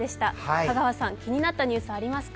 香川さん、気になったニュースはありますか？